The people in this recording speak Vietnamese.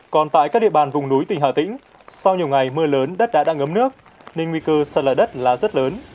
còn tại các địa bàn vùng núi tỉnh hà tĩnh sau nhiều ngày mưa lớn đất đá đã ngấm nước nên nguy cơ sạt lở đất là rất lớn